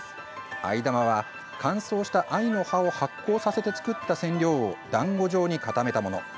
藍玉は乾燥した藍の葉を発酵させて作った染料を団子状に固めたもの。